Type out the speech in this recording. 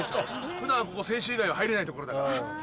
普段はここ選手以外は入れない所だから。